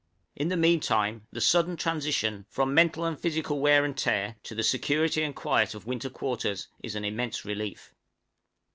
In the mean time the sudden transition, from mental and physical wear and tear, to the security and quiet of winter quarters, is an immense relief.